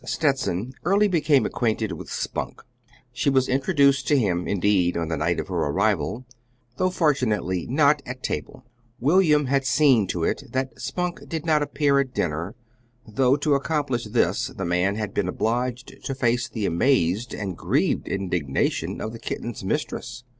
Stetson early became acquainted with Spunk. She was introduced to him, indeed, on the night of her arrival though fortunately not at table: William had seen to it that Spunk did not appear at dinner, though to accomplish this the man had been obliged to face the amazed and grieved indignation of the kitten's mistress.